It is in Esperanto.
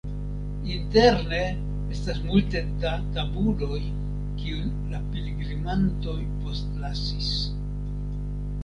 Interne estas multe da tabuloj, kiujn la pilgrimantoj postlasis.